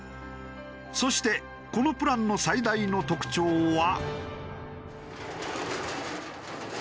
そしてこのプランの最大の特徴は。